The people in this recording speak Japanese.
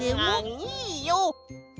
いいよ。